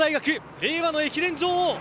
令和の駅伝女王